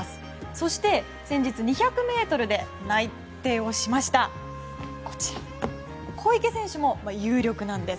そして、先日２００ｍで内定しました小池選手も有力なんです。